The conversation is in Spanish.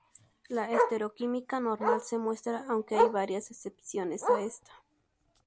La estereoquímica normal se muestra, aunque hay varias excepciones a esta.